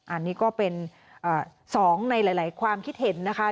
อันนี้ก็เป็น๒ในหลายความคิดเห็นนะคะ